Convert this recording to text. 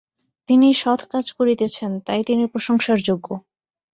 তিনি সৎ কাজ করিতেছেন, তাই তিনি প্রশংসার যোগ্য।